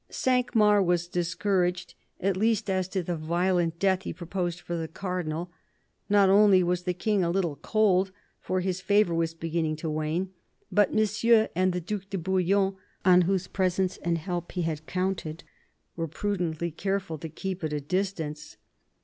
Cinq Mars was discouraged, at least as to the violent death he proposed for the Cardinal. Not only was the King a little cold, for his favour was beginning to wane, but Monsieur and the Due de Bouillon, on whose presence and help he had counted, were prudently careful to keep at a distance.